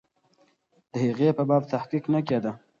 د هغې په باب تحقیق نه کېده.